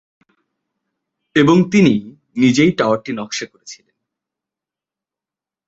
এবং তিনি নিজেই টাওয়ারটি নকশা করেছিলেন।